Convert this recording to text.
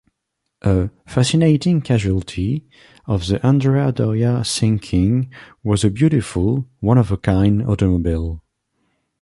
A "fascinating casualty" of the Andrea Doria sinking was a beautiful, one-of-a-kind automobile.